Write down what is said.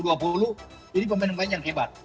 jadi pemain pemain yang hebat